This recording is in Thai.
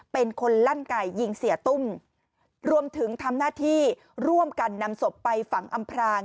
เป็นคนลั่นไก่ยิงเสียตุ้มรวมถึงทำหน้าที่ร่วมกันนำศพไปฝังอำพราง